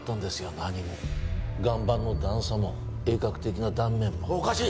何も岩盤の段差も鋭角的な断面もおかしい